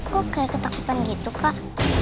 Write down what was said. kok kayak ketakutan gitu kak